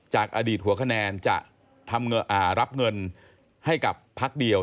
อดีตหัวคะแนนจะรับเงินให้กับพักเดียว